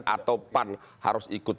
atau pan harus ikut